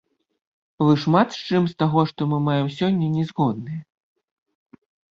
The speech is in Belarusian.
Вы шмат з чым з таго, што мы маем сёння, не згодныя?